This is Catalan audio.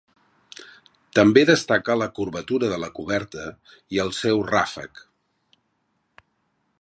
També destaca la curvatura de la coberta i el seu ràfec.